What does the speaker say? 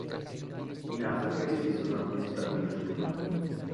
In Africa esistono alcuni stati musulmani.